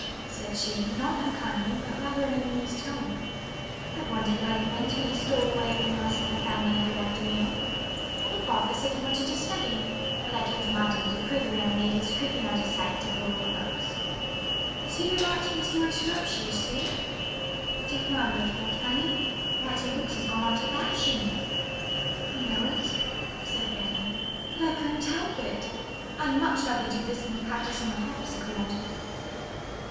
said she, not unkindly, but rather in an amused tone. "I've wondered where you went when you stole away from the rest of the family every afternoon. Your father said you wanted to study, but I told him I didn't approve of young ladies creeping out of sight to pore over books. So you've been writing a story surreptitiously? Take my word for it, Fanny, writing books has gone out of fashion." "I know it," said Fanny, "but I couldn't help it. I'd much rather do this than practice on the harpsichord."